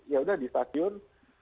yaudah di stasiun